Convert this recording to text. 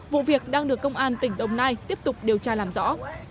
vụ việc đang được công an tỉnh đồng nai tiếp tục điều tra làm rõ